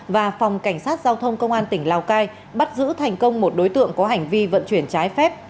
và phòng cảnh sát giao thông công an tỉnh lào cai bắt giữ thành công một đối tượng có hành vi vận chuyển trái phép